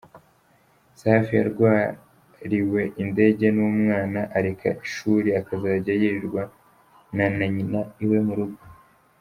Safi yarwariwe indege n'umwana, areka ishuri akazajya yirirwana na nyina iwe mu rugo.